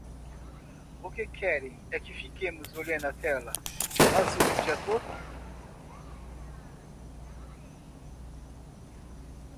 O que querem é que fiquemos olhando a tela azul o dia todo